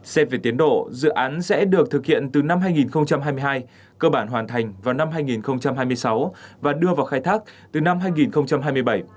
xét về tiến độ dự án sẽ được thực hiện từ năm hai nghìn hai mươi hai cơ bản hoàn thành vào năm hai nghìn hai mươi sáu và đưa vào khai thác từ năm hai nghìn hai mươi bảy